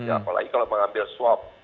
apalagi kalau mengambil swab